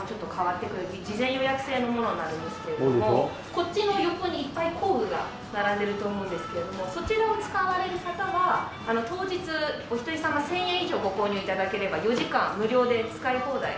こっちの横にいっぱい工具が並んでると思うんですけどもそちらを使われる方は当日お一人様１０００円以上ご購入頂ければ４時間無料で使い放題。